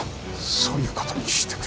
そういうことにしてくれ。